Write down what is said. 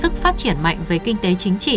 sức phát triển mạnh với kinh tế chính trị